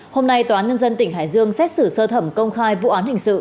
hôm nay tòa án nhân dân tỉnh hải dương xét xử sơ thẩm công khai vụ án hình sự